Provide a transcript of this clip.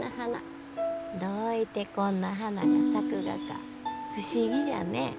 どういてこんな花が咲くがか不思議じゃね。